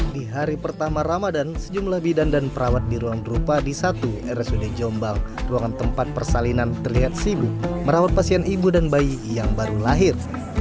di hari pertama ramadan sejumlah bidan dan perawat di ruang drupa di satu rsud jombang ruangan tempat persalinan terlihat sibuk merawat pasien ibu dan bayi yang baru lahir